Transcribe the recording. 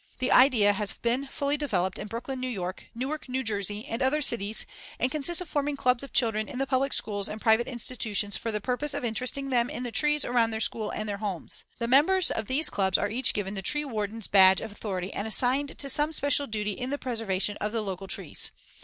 The idea has been fully developed in Brooklyn, N.Y., Newark, N.J., and other cities and consists of forming clubs of children in the public schools and private institutions for the purpose of interesting them in the trees around their school and their homes. The members of these clubs are each given the tree warden's badge of authority and assigned to some special duty in the preservation of the local trees.